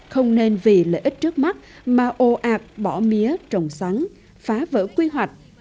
không nên vì lợi ích trước mắt mà ồ ạc bỏ mía trồng sắn phá vỡ quy hoạch